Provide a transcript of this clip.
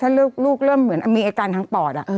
ถ้าลูกเริ่มเหมือนมีอาการทางปอด